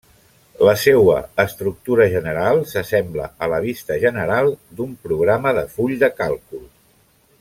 La seua estructura general s'assembla a la vista general d'un programa de Full de càlcul.